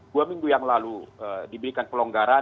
dua minggu yang lalu diberikan pelonggaran